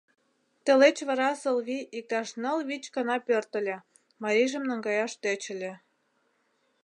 Тылеч вара Сылвий иктаж ныл-вич гана пӧртыльӧ, марийжым наҥгаяш тӧчыльӧ.